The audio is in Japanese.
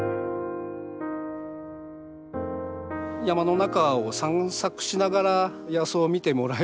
山の中を散策しながら野草を見てもらえる。